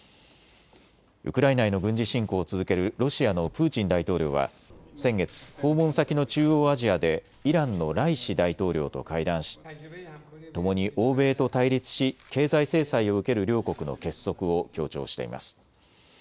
ウクライナへの軍事侵攻を続けるロシアのプーチン大統領は先月、訪問先の中央アジアでイランのライシ大統領と会談しともに欧米と対立し経済制裁を受ける両国の結束を強調しています。